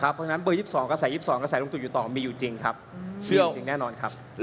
เพราะฉะนั้นเบอร์๒๒กระแส๒๒กระแสลุงตูอยู่ต่อมีอยู่จริงครับ